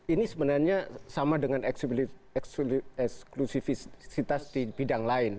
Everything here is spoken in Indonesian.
ini sebenarnya sama dengan eksklusifitas di bidang lain